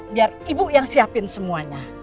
biar ibu yang siapin semuanya